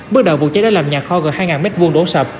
bước đầu vụ cháy đã làm nhà kho gần hai m hai đổ sập